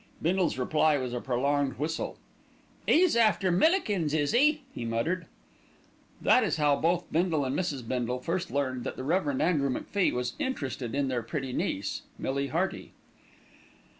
Bindle's reply was a prolonged whistle. "'E's after Millikins, is 'e?" he muttered. That is how both Bindle and Mrs. Bindle first learned that the Rev. Andrew MacFie was interested in their pretty niece, Millie Hearty.